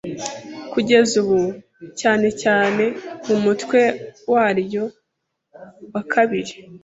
kugeze ubu, cyene cyene mu mutwe weryo we kebiri,